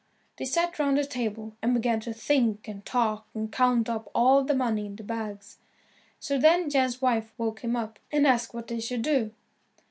They sat round the table, and began to drink and talk and count up all the money in the bags. So then Jan's wife woke him up, and asked what they should do.